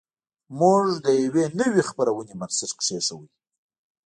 موږ د یوې نوې خپرونې بنسټ کېښود